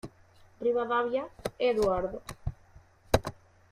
Rivadavia, Eduardo.